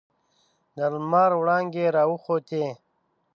د لمر وړانګې راوخوتې.